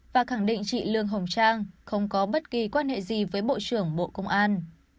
và khẳng định chị lương hồng trang không có bất kỳ quan hệ gì với bộ trưởng bộ công an